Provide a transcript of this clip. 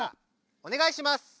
おねがいします！